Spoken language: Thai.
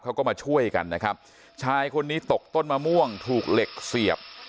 เขาก็มาช่วยกันนะครับชายคนนี้ตกต้นมะม่วงถูกเหล็กเสียบ